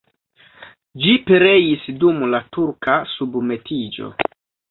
Ĝi pereis dum la turka submetiĝo.